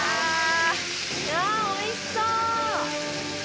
いやおいしそう！